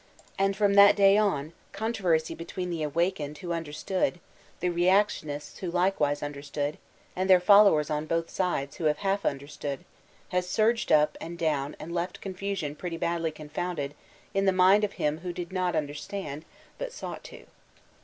And from that day on, controversy between the awak* ened who understood, the reactionists who likewise un derstood, and their followers on both sides who have half understood, has surged up and down and left confusion pretty badly confounded in the mind of him who did not understand, but sought to.